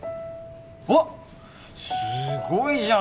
おっすごいじゃん！